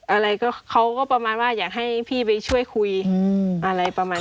อะไรก็เขาก็ประมาณว่าอยากให้พี่ไปช่วยคุยอะไรประมาณ